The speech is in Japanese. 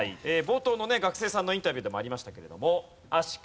冒頭の学生さんのインタビューでもありましたけれども。